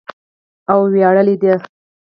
او ویاړلې ده.